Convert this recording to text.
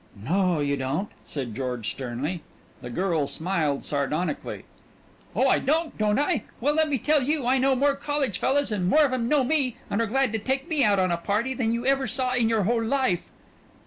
"No, you don't!" said George sternly. The girl smiled sardonically. "Oh, I don't, don't I? Well, let me tell you I know more college fellas and more of 'em know me, and are glad to take me out on a party, than you ever saw in your whole life."